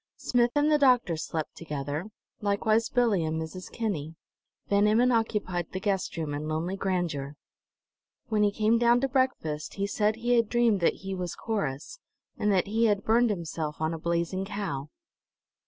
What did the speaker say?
Smith and the doctor slept together, likewise Billie and Mrs. Kinney; Van Emmon occupied the guest room in lonely grandeur. When he came down to breakfast he said he had dreamed that he was Corrus, and that he had burned himself on a blazing cow.